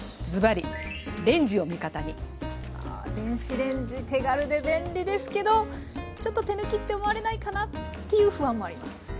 ズバリああ電子レンジ手軽で便利ですけどちょっと手抜きって思われないかな？っていう不安もあります。